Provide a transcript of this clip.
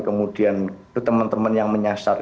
kemudian teman teman yang menyasar